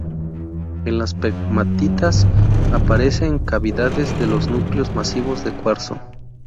En las pegmatitas aparece en cavidades de los núcleos masivos de cuarzo.